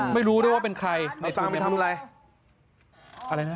ไม่รู้ด้วยว่าเป็นใครเอาตังไปทำอะไร